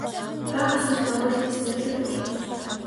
Бага асарт оруул гэж зарлиг буулгав.